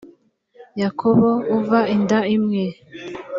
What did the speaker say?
yakobo uva inda imwe